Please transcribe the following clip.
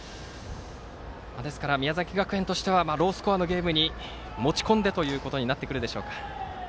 ですから、宮崎学園としてはロースコアのゲームに持ち込んでということになってくるでしょうか。